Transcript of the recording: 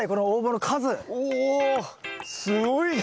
おすごい！